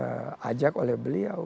tidak diajak oleh beliau